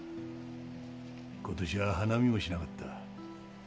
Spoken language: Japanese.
今年は花見もしなかった。